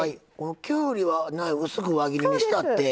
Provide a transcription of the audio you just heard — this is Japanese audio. きゅうりは薄く輪切りにしてあって。